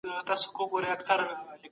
ډېر انـتـظـار كوم